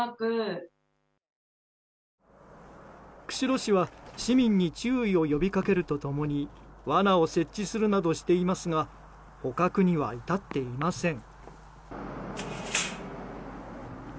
釧路市は市民に注意を呼び掛けると共に罠を設置するなどしていますが捕獲には至っていません。